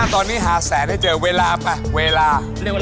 ตอนนี้หาแสนให้เจอเวลาไปเวลา